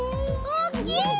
おっきい！